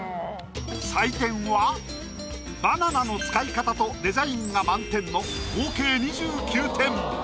採点はバナナの使い方とデザインが満点の合計２９点。